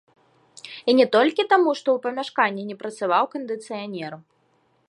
І не толькі таму, што ў памяшканні не працаваў кандыцыянер.